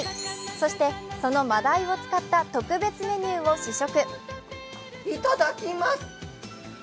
そして、その真鯛を使った特別メニューを試食。